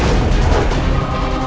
kedai yang menangis